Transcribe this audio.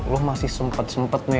lo masih sempet sempet